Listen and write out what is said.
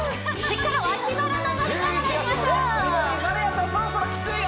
そろそろきついよ！